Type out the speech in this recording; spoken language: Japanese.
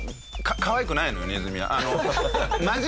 かわいくないのよネズミは。